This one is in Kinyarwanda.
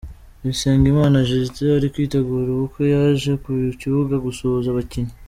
Bisengimana Justin uri kwitegura ubukwe yaje ku kibuga gusuhuza abakinnyi.